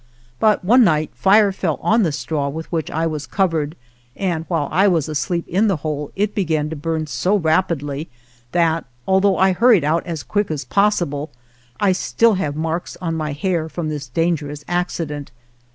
But one night fire fell on the straw with which I was covered, and while I was asleep in the hole it began to burn so rapidly that, although I hurried out as quick as possible, I still have marks on my hair from this dangerous acci dent.